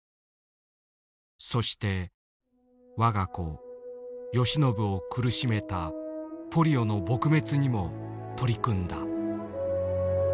そして我が子宜靖を苦しめたポリオの撲滅にも取り組んだ。